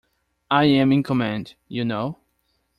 I am in command, you know.